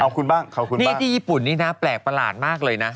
เอาคุณบ้างเขาคุณบ้างนี่ที่ญี่ปุ่นนี้นะแปลกประหลาดมากเลยนะ